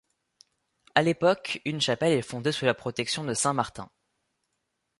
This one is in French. À l'époque, une chapelle est fondée sous la protection de Saint-Martin.